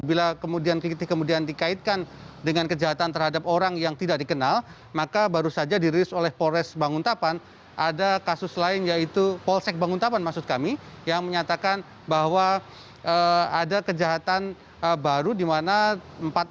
bila kemudian kritik kemudian dikaitkan dengan kejahatan terhadap orang yang tidak dikenal maka baru saja dirilis oleh polres banguntapan ada kasus lain yaitu polsek banguntapan maksud kami yang menyatakan bahwa ada kejahatan baru di mana empat orang